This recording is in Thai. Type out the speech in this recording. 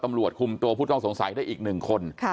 ตำรวจคุมตัวผู้ต้องสงสัยได้อีก๑คน